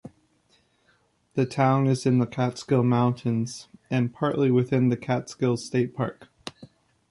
The town is in the Catskill Mountains and partly within the Catskill State Park.